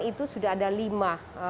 itu sudah ada lima